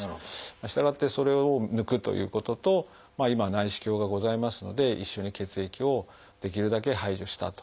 従ってそれを抜くということと今は内視鏡がございますので一緒に血液をできるだけ排除したということになります。